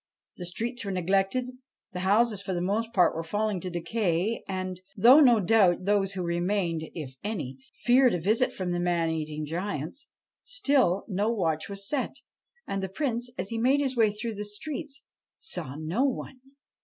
The streets were neglected ; the houses for the most part were falling to decay ; and though, no doubt, those who remained if any feared a visit from the man eating giants, still no watch was set, and the Prince, as he made his way through the streets, saw no one.